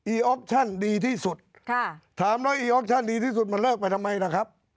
ออคชั่นดีที่สุดค่ะถามแล้วอีออกชั่นดีที่สุดมันเลิกไปทำไมล่ะครับ